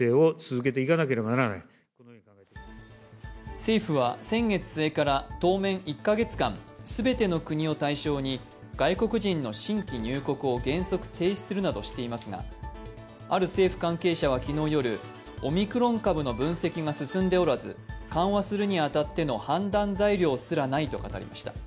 政府は先月末から当面１カ月間、全ての国を対象に外国人の新規入国を原則停止するなどしていますがある政府関係者は昨日夜、オミクロン株の分析が進んでおらず、判断するに当たっての判断材料すらないと話しました。